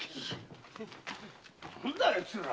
何だあいつら？